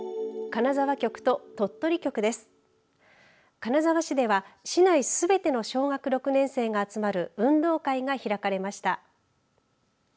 金沢市では市内すべての小学６年生が集まる運動会が開かれました。